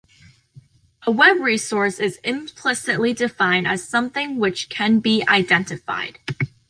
A web resource is implicitly defined as something which can be identified.